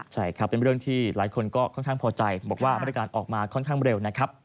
ใช่ครับเป็นเรื่องที่หลายคนก็ค่อนข้างพอใจบอกว่าบริการออกมาค่อนข้างเร็วนะครับ